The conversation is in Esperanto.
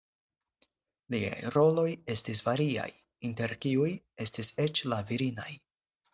Liaj roloj estis variaj, inter kiuj estis eĉ la virinaj.